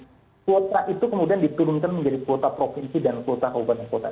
jadi kuota itu kemudian diturunkan menjadi kuota provinsi dan kuota kawasan